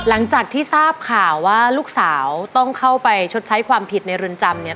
หลังจากที่ทราบข่าวว่าลูกสาวต้องเข้าไปชดใช้ความผิดในเรือนจำเนี่ย